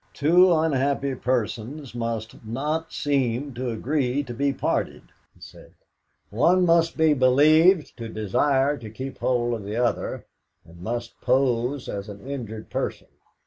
"Two unhappy persons must not seem to agree to be parted," he said. "One must be believed to desire to keep hold of the other, and must pose as an injured person.